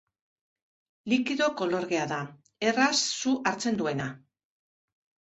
Likido kolorgea da, erraz su hartzen duena.